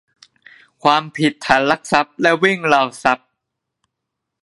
ความผิดฐานลักทรัพย์และวิ่งราวทรัพย์